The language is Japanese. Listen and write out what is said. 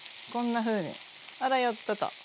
こんなふうにあらよっとと。